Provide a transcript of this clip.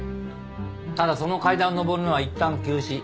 ただその階段を上るのはいったん休止。